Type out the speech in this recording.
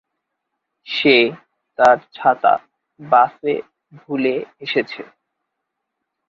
সে তার ছাতা বাসে ভুলে এসেছে।